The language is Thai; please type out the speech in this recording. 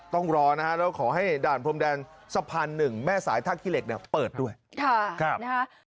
ต้องรอนะฮะแล้วขอให้ด่านพรมแดนสะพานหนึ่งแม่สายท่าขี้เหล็กเนี่ยเปิดด้วย